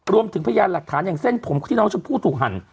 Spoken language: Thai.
พยานหลักฐานอย่างเส้นผมที่น้องชมพู่ถูกหั่น